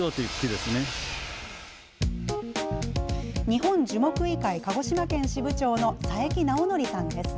日本樹木医会鹿児島県支部長の佐伯直憲さんです。